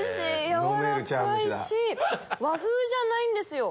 軟らかいし和風じゃないんですよ。